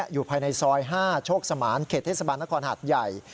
อยู่ภายในซอย๕โชคสมานเขตเทศบาลนครหัดใหญ่